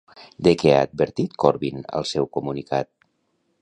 De què ha advertit Corbyn al seu comunicat?